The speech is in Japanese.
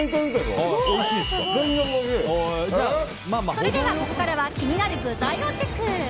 それではここからは気になる具材をチェック。